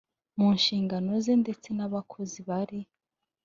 mu nshingano ze ndetse n abakozi bari